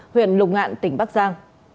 huyện lục ngạn tỉnh bắc giang